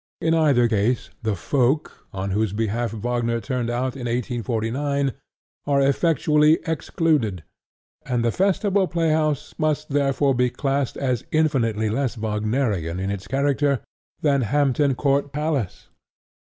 In either case "the Folk," on whose behalf Wagner turned out in 1849, are effectually excluded; and the Festival Playhouse must therefore be classed as infinitely less Wagnerian in its character than Hampton Court Palace.